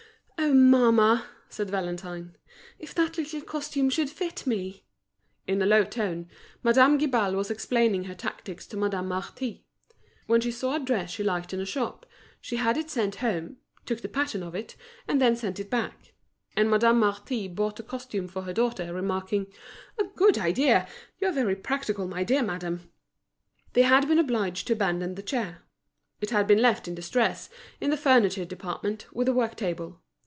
"Oh! mamma," said Valentine, "if that little costume should fit me!" In a low tone, Madame Guibal was explaining her tactics to Madame Marty. When she saw a dress she liked in a shop, she had it sent home, took the pattern of it, and then sent it back. And Madame Marty bought the costume for her daughter remarking: "A good idea! You are very practical, my dear madame." They had been obliged to abandon the chair. It had been left in distress, in the furniture department, with the work table.